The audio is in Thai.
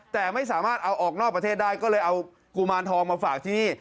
แต่ไม่สามารถเอาออกนอกประเทศได้ก็เลยเอากุมารทองมาฝากที่นี่